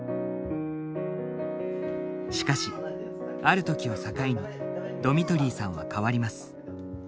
しかしある時を境にドミトリーさんは変わります。